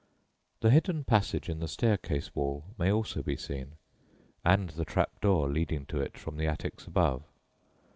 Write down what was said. The hidden passage in the staircase wall may also be seen, and the trap door leading to it from the attics above.